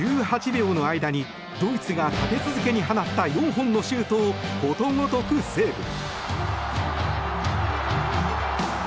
１８秒の間にドイツが立て続けに放った４本のシュートをことごとくセーブ。